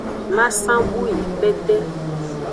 Masan bu yi kpete.